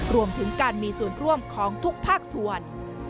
รวมถึงการมีส่วนร่วมของทุกภาคส่วน